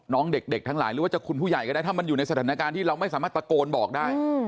น้องเด็กทั้งหลายหรือว่าจะคุณผู้ใหญ่ก็ได้ถ้ามันอยู่ในสถานการณ์ที่เราไม่สามารถตะโกนบอกได้